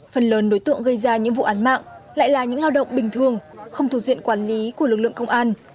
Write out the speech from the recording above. phần lớn đối tượng gây ra những vụ án mạng lại là những lao động bình thường không thuộc diện quản lý của lực lượng công an